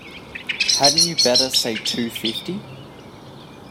Hadn't you better say two fifty?